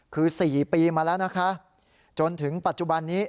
คือ๔ปีมาแล้วนะคะจนถึงปัจจุบันนี้